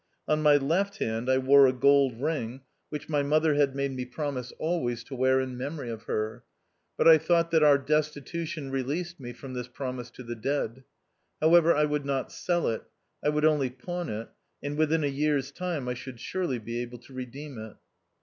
On my left hand I wore a gold ring, THE OUTCAST. 89 which my mother had made me promise always to wear in memory of her ; but I thought that our destitution released me from this promise to the dead. However, I would not sell it ; I would only pawn it, and within a year's time I should surely be able to redeem it.